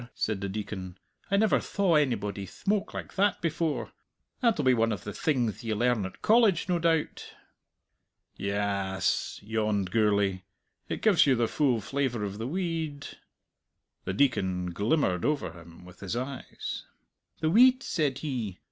said the Deacon. "I never thaw onybody thmoke like that before! That'll be one of the thingth ye learn at College, no doubt." "Ya as," yawned Gourlay; "it gives you the full flavour of the we eed." The Deacon glimmered over him with his eyes. "The weed," said he.